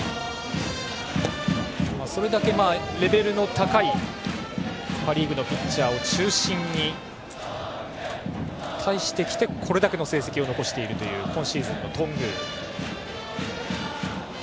それだけレベルの高いパ・リーグのピッチャーを中心に対してきてこれだけの成績を残しているという今シーズンの頓宮。